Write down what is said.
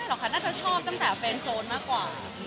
หรอกค่ะน่าจะชอบตั้งแต่แฟนโซนมากกว่า